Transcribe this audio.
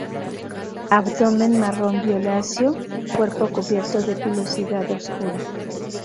Abdomen marrón-violáceo, cuerpo cubierto de pilosidad oscura.